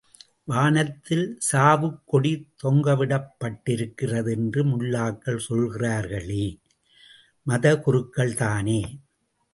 வானத்தில் சாவுக்கொடி தொங்க விடப் பட்டிருக்கிறது என்று முல்லாக்கள் சொல்கிறார்களே? மதக்குருக்கள்தானே!